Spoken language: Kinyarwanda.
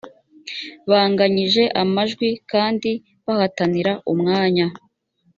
banganyije amajwi kandi bahatanira umwanya